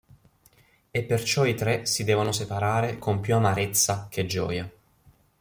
E perciò i tre si devono separare con più amarezza che gioia.